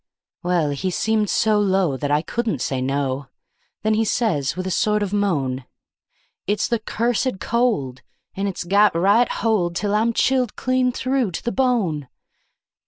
Well, he seemed so low that I couldn't say no; then he says with a sort of moan: "It's the cursed cold, and it's got right hold till I'm chilled clean through to the bone.